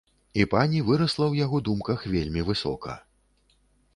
І пані вырасла ў яго думках вельмі высока.